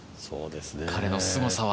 彼のすごさは。